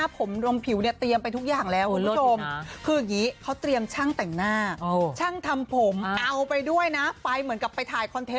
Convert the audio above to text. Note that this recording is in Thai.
ขนกันไปทั้งคบวนเลย